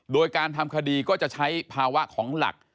โดยการทำคดีก็จะใช้ภาวะของหลัก